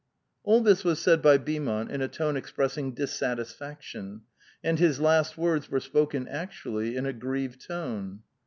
" All this was said by Beaumont in a tone expressing dis satisfaction, and his last words were spoken actually in a grieved tone.